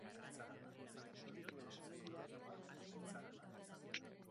Ezustekorik ezean, saio eta jarraipen berezia prestatu dute gaurko egunerako.